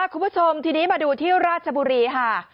คุณผู้ชมทีนี้มาดูที่ราชบุรีค่ะ